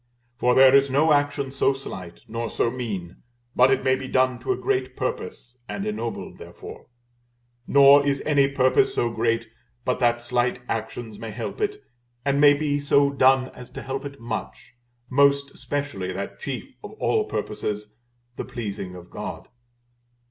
For there is no action so slight, nor so mean, but it may be done to a great purpose, and ennobled therefore; nor is any purpose so great but that slight actions may help it, and may be so done as to help it much, most especially that chief of all purposes, the pleasing of God.